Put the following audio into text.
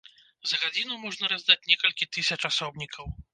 За гадзіну можна раздаць некалькі тысяч асобнікаў.